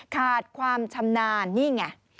ขาดความชำนาญนี่ไง